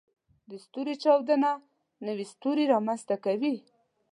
د ستوري چاودنه نوې ستوري رامنځته کوي.